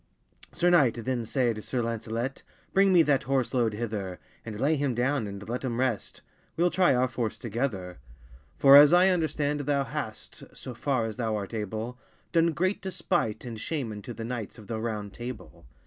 Sir knight, then sayd Sir Lancelett, Bring me that horse load hither, And lay him downe, and let him rest; Weel try our force together: For, as I understand, thou hast, So far as thou art able, Done great despite and shame unto The knights of the Round Table.